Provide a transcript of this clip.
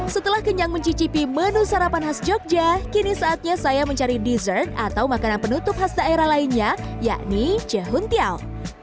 setelah kenyang mencicipi menu sarapan khas jogja kini saatnya saya mencari dessert atau makanan penutup khas daerah lainnya yakni jehuntial